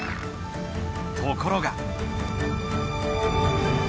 ところが。